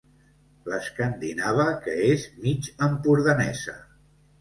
L'escandinava que és mig empordanesa.